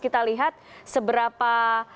kita lihat seberapa